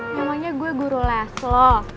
namanya gue guru les loh